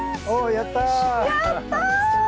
やった！